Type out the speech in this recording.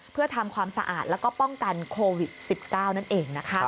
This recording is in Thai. เพื่อทำความสะอาดแล้วก็ป้องกันโควิด๑๙นั่นเองนะคะ